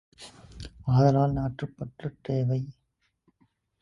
ஆதலால் நாட்டுப்பற்று தேவை.